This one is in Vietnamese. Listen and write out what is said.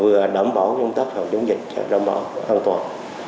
và đảm bảo hoàn toàn